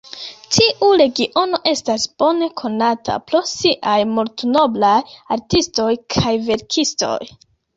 Tiu regiono estas bone konata pro siaj multnombraj artistoj kaj verkistoj.